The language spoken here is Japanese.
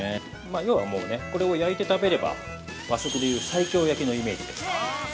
要は、これを焼いて食べれば和食でいう西京焼きのイメージです。